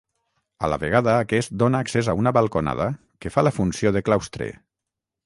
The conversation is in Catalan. A la vegada aquest dóna accés a una balconada que fa la funció de claustre.